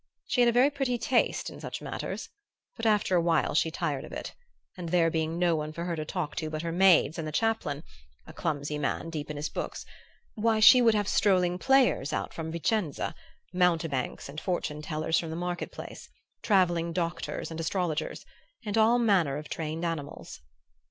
She had a very pretty taste in such matters, but after a while she tired of it, and there being no one for her to talk to but her maids and the chaplain a clumsy man deep in his books why, she would have strolling players out from Vicenza, mountebanks and fortune tellers from the market place, travelling doctors and astrologers, and all manner of trained animals.